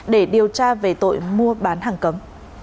để điều tra về tội mua bán hàng cấm